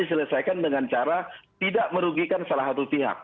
diselesaikan dengan cara tidak merugikan salah satu pihak